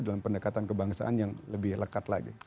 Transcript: dalam pendekatan kebangsaan yang lebih lekat lagi